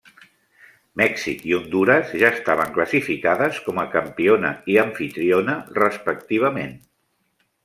Mèxic i Hondures ja estaven classificades com a campiona i amfitriona, respectivament.